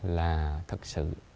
là thật sự